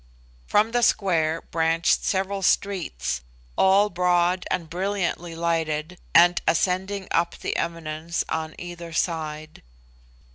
From the square branched several streets, all broad and brilliantly lighted, and ascending up the eminence on either side.